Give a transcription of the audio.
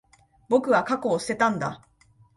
僕は、過去を捨てたんだ。